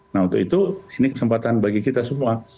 nah untuk itu ini kesempatan bagi kita semua